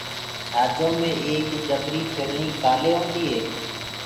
جھاجو مي ايڪ جبريٚ ڦرڻيٚ ڪآلي هونديٚ هي